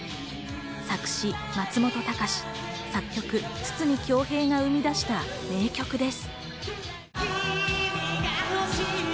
作詞・松本隆、作曲・筒美京平が生み出した名曲です。